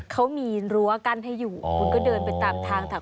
เขามีรั้วกั้นให้อยู่เขาเดินไปตามทางถูก